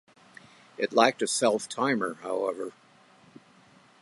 It lacked a self-timer, however.